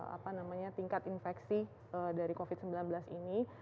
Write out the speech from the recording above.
apa namanya tingkat infeksi dari covid sembilan belas ini